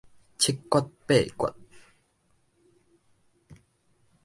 七訣八訣